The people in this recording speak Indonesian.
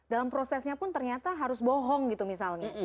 dalam prosesnya pun ternyata harus bohong gitu misalnya